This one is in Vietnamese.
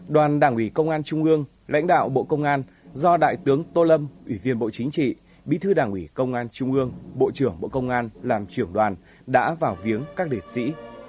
đoàn đảng ủy công an trung ương lãnh đạo bộ công an do đại tướng tô lâm ủy viên bộ chính trị bí thư đảng ủy công an trung ương bộ trưởng bộ công an làm trưởng đoàn đã vào viếng các liệt sĩ